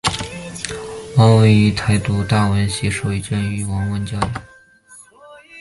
王文华就读台大外文系时受教于王文兴教授。